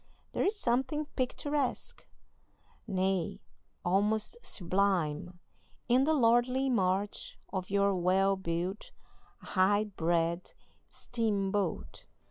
There is something picturesque, nay, almost sublime, in the lordly march of your well built, high bred steamboat.